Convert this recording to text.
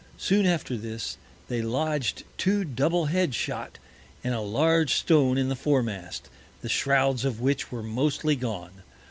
Soon after this, they lodg'd two Double head Shot, and a large Stone in the Fore mast, the Shrowds of which were mostly gone.